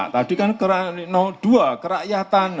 tadi kan dua kerakyatan